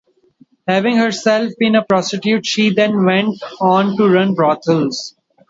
Having herself been a prostitute, she then went on to run brothels.